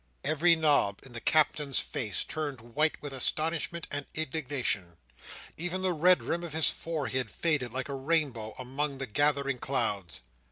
Every knob in the Captain's face turned white with astonishment and indignation; even the red rim on his forehead faded, like a rainbow among the gathering clouds.